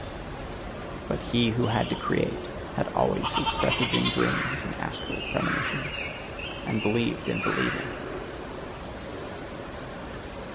But he who had to create, had always his presaging dreams and astral premonitions and believed in believing!